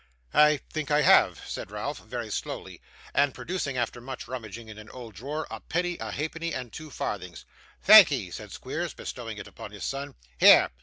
'I think I have,' said Ralph, very slowly, and producing, after much rummaging in an old drawer, a penny, a halfpenny, and two farthings. 'Thankee,' said Squeers, bestowing it upon his son. 'Here!